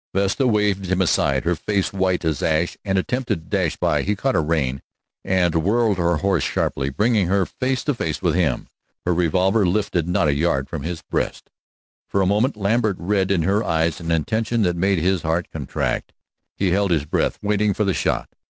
Vesta waved him aside, her face white as ash, and attempted to dash by. He caught her rein and whirled her horse sharply, bringing her face to face with him, her revolver lifted not a yard from his breast. For a moment Lambert read in her eyes an intention that made his heart contract. He held his breath, waiting for the shot.